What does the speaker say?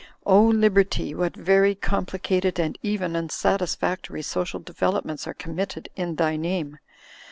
O Liberty, what very complicated and even unsatisfactory social developments are committed in thy name!